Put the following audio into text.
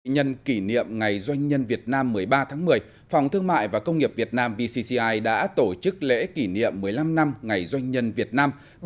nhân kỷ niệm ngày doanh nhân việt nam một mươi ba tháng một mươi phòng thương mại và công nghiệp việt nam vcci đã tổ chức lễ kỷ niệm một mươi năm năm ngày doanh nhân việt nam